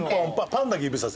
「パン」だけ指さすやつ。